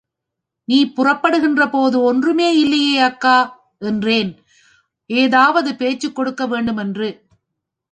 நீ புறப்படுகிறபோது ஒன்றுமே இல்லையே, அக்கா? என்றேன், ஏதாவது பேச்சுக் கொடுக்க வேண்டுமென்று.